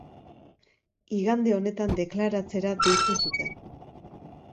Igande honetan deklaratzera deitu zuten.